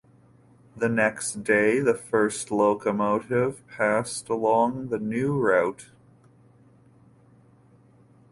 The next day, the first locomotive passed along the new route.